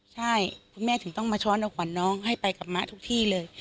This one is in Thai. ใช่คุณแม่ถึงต้องมาช้อนเอาขวัญน้องให้ไปกับมะทุกที่เลย